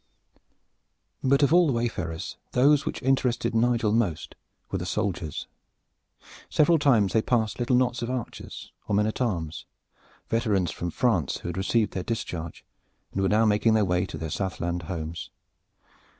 But of all the wayfarers those which interested Nigel most were the soldiers. Several times they passed little knots of archers or men at arms, veterans from France, who had received their discharge and were now making their way to their southland homes.